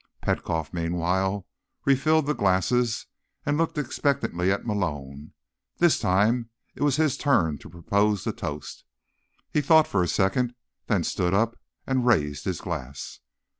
Petkoff, meanwhile, refilled the glasses and looked expectantly at Malone. This time it was his turn to propose the toast. He thought for a second, then stood up and raised his glass.